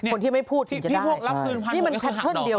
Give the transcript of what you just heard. คนที่ไม่พูดถึงจะได้